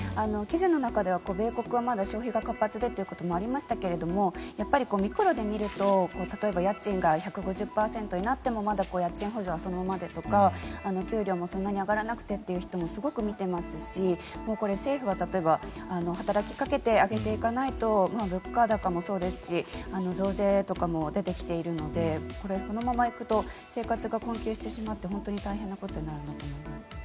記事の中では米国はまだ消費が活発でとありましたがやっぱりミクロで見ると例えば家賃が１５０％になっても家賃補助はそのままでとか給料もそんなに上がらなくてという人も見てますしこれ、政府が例えば働きかけて上げていかないと物価高もそうですし増税とかも出てきているのでこのまま行くと生活が困窮してしまって本当に大変なことになるなと思いますね。